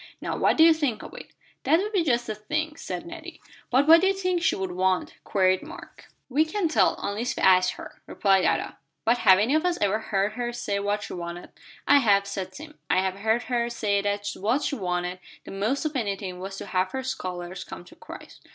Now what do you think of it?" "That would be just the thing," said Nettie. "But what do you think she would want?" queried Mark. "We can't tell, unless we ask her," replied Ada. "But have any of us ever heard her say what she wanted?" "I have," said Tim. "I have heard her say that what she wanted the most of anything was to have her scholars come to Christ."